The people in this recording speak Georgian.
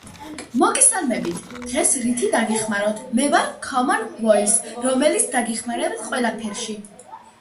მოგესალმებით დღეს რითი დაგეხმაროთ მე ვარ commpn voice რომელიც დაგეხმარებით ყველაფერსი